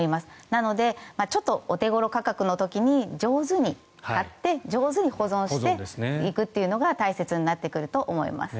なのでちょっとお手頃価格の時に上手に買って上手に保存していくっていうのが大切になってくると思います。